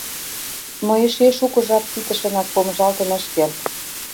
Но эше шуко жап ситышынак помыжалтын ыш керт.